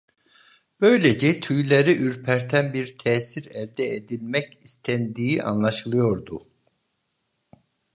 Böylece tüyleri ürperten bir tesir elde edilmek istendiği anlaşılıyordu.